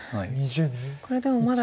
これでもまだ。